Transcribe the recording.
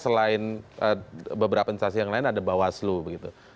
selain beberapa instansi yang lain ada bawaslu begitu